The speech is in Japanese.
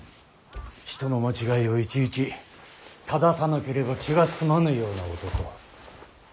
人の間違いをいちいち正さなければ気が済まぬような男。